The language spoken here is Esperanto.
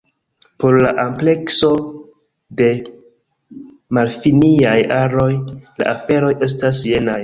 Por la amplekso de malfiniaj aroj, la aferoj estas jenaj.